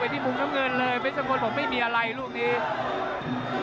ไปที่มุมเงินเลยเบสเงินผมไม่มีอะไรลูกนี้